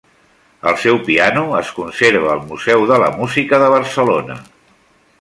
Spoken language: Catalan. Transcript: El seu piano es conserva al Museu de la Música de Barcelona.